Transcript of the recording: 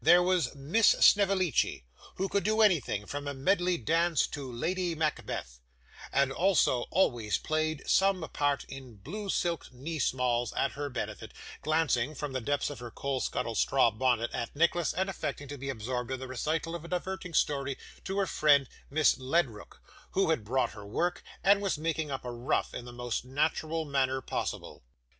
There was Miss Snevellicci who could do anything, from a medley dance to Lady Macbeth, and also always played some part in blue silk knee smalls at her benefit glancing, from the depths of her coal scuttle straw bonnet, at Nicholas, and affecting to be absorbed in the recital of a diverting story to her friend Miss Ledrook, who had brought her work, and was making up a ruff in the most natural manner possible.